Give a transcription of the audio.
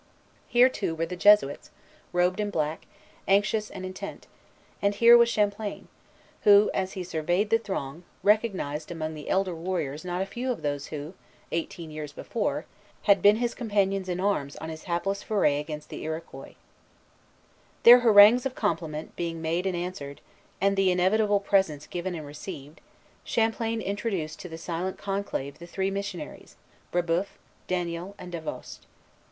Here, too, were the Jesuits, robed in black, anxious and intent; and here was Champlain, who, as he surveyed the throng, recognized among the elder warriors not a few of those who, eighteen years before, had been his companions in arms on his hapless foray against the Iroquois. See "Pioneers of France," 370. Their harangues of compliment being made and answered, and the inevitable presents given and received, Champlain introduced to the silent conclave the three missionaries, Brébeuf, Daniel, and Davost.